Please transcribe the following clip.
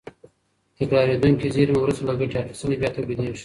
تکرارېدونکې زېرمې وروسته له ګټې اخیستنې بیا تولیدېږي.